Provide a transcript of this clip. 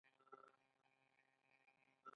د میرمنو کار او تعلیم مهم دی ځکه چې ښځو واک زیاتوي.